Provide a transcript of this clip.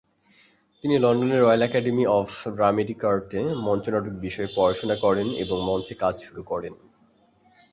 তিনি লন্ডনের royal academy of dramatic আর্টে মঞ্চনাটক বিষয়ে পড়াশুনা করেন এবং মঞ্চে কাজ শুরু করেন।